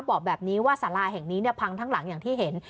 บอกแบบนี้ว่าสาราแห่งนี้พังทั้งหลังอย่างที่เห็น